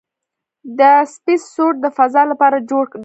دا سپېس سوټ د فضاء لپاره جوړ دی.